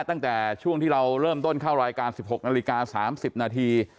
ตั้งแต่ช่วงที่เราเริ่มต้นเข้ารายการ๑๖นาฬิกา๓๐นาที